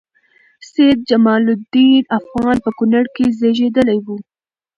سيدجمال الدين افغان په کونړ کې زیږیدلی وه